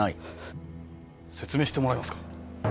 説明してもらえますか？